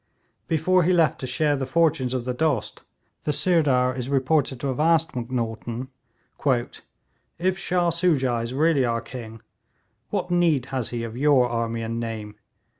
Before he left to share the fortunes of the Dost, the Sirdar is reported to have asked Macnaghten, 'If Shah Soojah is really our king, what need has he of your army and name?